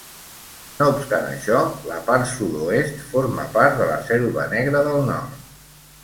No obstant això, la part sud-oest forma part de la Selva Negra del Nord.